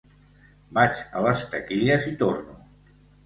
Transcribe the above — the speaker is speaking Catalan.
Vaig a les taquilles i torno.